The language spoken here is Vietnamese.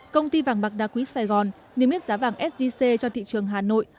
công ty vàng bạc đa quý sài gòn niêm yết giá vàng sgc cho thị trường hà nội